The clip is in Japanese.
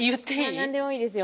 何でもいいですよ。